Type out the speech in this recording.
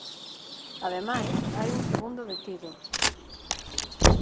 Ademais, hai un segundo detido.